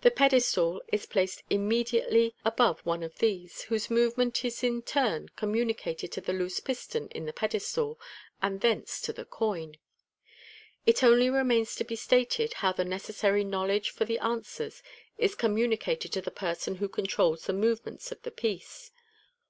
The pedestal is placed immediately above one of these, whose movement is in turn communicated to the loose piston in the pedestal, and thence to the coin. It only remains to be stated how the necessary knowledge for the Answers is communicated to the person who controls the movements of the piece.